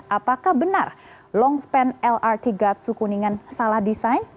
apakah benar longspan lrt gatsu kuningan salah desain